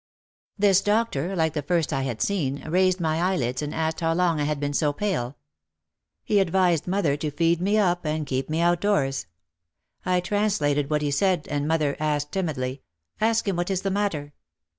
This doctor, like the first I had seen, raised my eye lids and asked how long I had been so pale. He ad vised mother to feed me up and keep me outdoors. I translated what he said and mother asked timidly, "Ask him what is the matter."